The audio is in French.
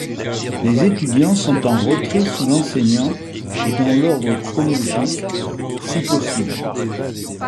Les étudiants sont en retrait sous l'enseignant et dans l'ordre chronologique, si possible.